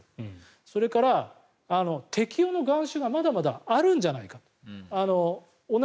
それから、適用のがん種がまだまだあるんじゃないかと。